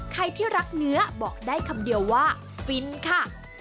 ใครที่รักเนื้อบอกได้คำเดียวว่าฟินค่ะ